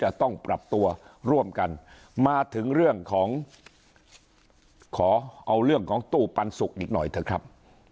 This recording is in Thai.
จะต้องปรับตัวร่วมกันมาถึงเรื่องของขอเอาเรื่องของตู้ปันสุกอีกหน่อยเถอะครับ